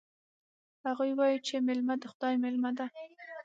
هغوی وایي چې میلمه د خدای مېلمه ده